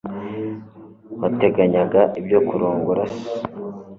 wateganyaga ibyo kurongora se